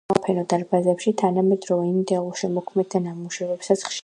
თუმცა მუზეუმის საგამოფენო დარბაზებში თანამედროვე ინდიელ შემოქმედთა ნამუშევრებსაც ხშირად იხილავთ.